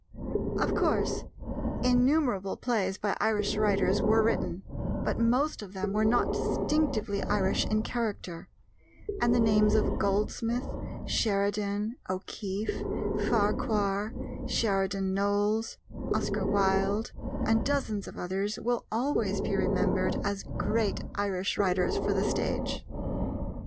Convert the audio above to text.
Of course, innumerable plays by Irish writers were written, but most of them were not distinctively Irish in character; and the names of Goldsmith, Sheridan, O'Keeffe, Farquhar, Sheridan Knowles, Oscar Wilde, and dozens of others will always be remembered as great Irish writers for the stage.